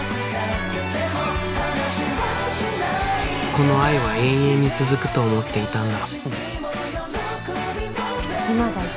この愛は永遠に続くと思っていたんだ